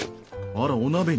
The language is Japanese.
あらお鍋に。